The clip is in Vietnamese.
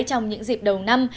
trong những dịp đầu năm